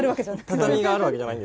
畳があるわけじゃない。